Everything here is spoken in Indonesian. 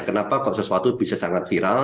kenapa kok sesuatu bisa sangat viral